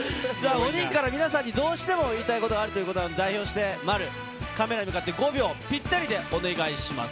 ５人から皆さんにどうしても言いたいことがあるということで、代表して丸、カメラに向かって、５秒ぴったりでお願いします。